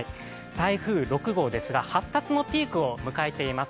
台風６号ですが発達のピークを迎えています。